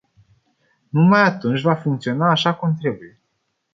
Numai atunci va funcționa așa cum trebuie.